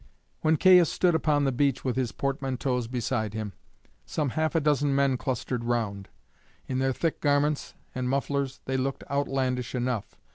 When Caius stood upon the beach with his portmanteaus beside him, some half a dozen men clustered round; in their thick garments and mufflers they looked outlandish enough.